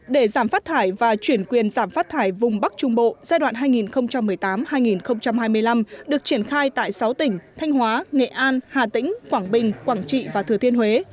để giảm phát thải và chuyển quyền giảm phát thải vùng bắc trung bộ giai đoạn hai nghìn một mươi tám hai nghìn hai mươi năm được triển khai tại sáu tỉnh thanh hóa nghệ an hà tĩnh quảng bình quảng trị và thừa thiên huế